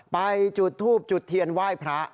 ไปจุดทูบจุดเทียนไหว้พระ